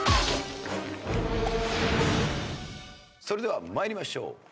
それでは参りましょう。